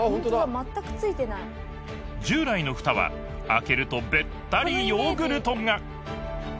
まったく付いてない従来のフタは開けるとべったりヨーグルトが！